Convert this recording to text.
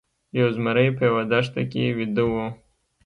یو زمری په یوه دښته کې ویده و.